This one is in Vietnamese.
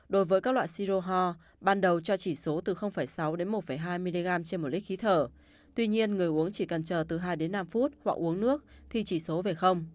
đối với các loại si rô ho ban đầu cho chỉ số từ sáu một hai mg trên một lít khí thở tuy nhiên người uống chỉ cần chờ từ hai năm phút hoặc uống nước thì chỉ số về